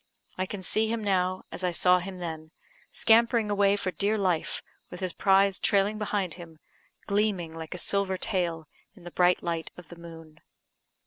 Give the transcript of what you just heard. I can see him now, as I saw him then, scampering away for dear life, with his prize trailing behind him, gleaming like a silver tail in the bright light of the moon.